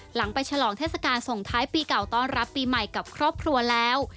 หลังไปฉลองเทศกาลส่งท้ายปีเก่าต้อนรับปีใหม่กับครอบครัวแล้ว